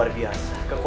atau bihole perutku